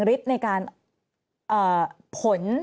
ริดในการผล